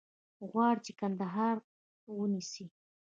غواړي چې کندهار ونیسي.